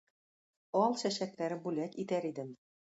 Ал чәчәкләр бүләк итәр идем